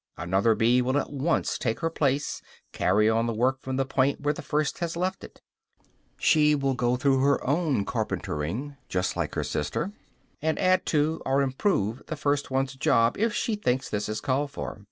Another bee will at once take her place, carry on the work from the point where the first has left it; she will go through her own carpentering, just like her sister, and add to or improve the first one's job if she thinks this is called for.